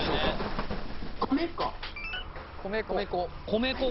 米粉。